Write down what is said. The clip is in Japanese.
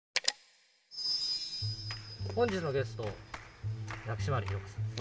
本日のゲスト薬師丸ひろ子さんです。